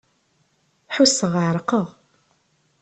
Ḥusseɣ εerqeɣ.